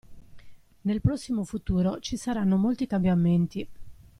Nel prossimo futuro ci saranno molti cambiamenti.